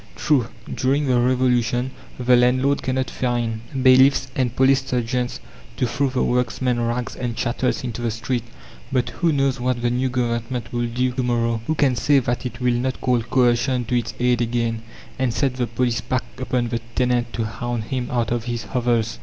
True, during the Revolution the landlord cannot find bailiffs and police sergeants to throw the workman's rags and chattels into the street, but who knows what the new Government will do to morrow? Who can say that it will not call coercion to its aid again, and set the police pack upon the tenant to hound him out of his hovels?